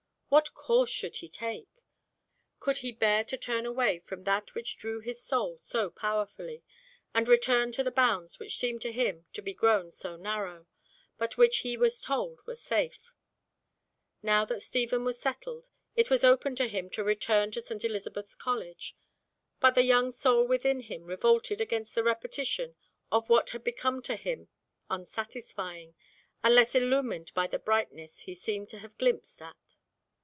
What course should he take? Could he bear to turn away from that which drew his soul so powerfully, and return to the bounds which seem to him to be grown so narrow, but which he was told were safe? Now that Stephen was settled, it was open to him to return to St. Elizabeth's College, but the young soul within him revolted against the repetition of what had become to him unsatisfying, unless illumined by the brightness he seemed to have glimpsed at.